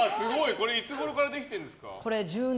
これ、いつごろからできてるんですか。